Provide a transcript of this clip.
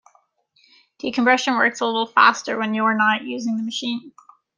Decompression works a little faster when you're not using the machine.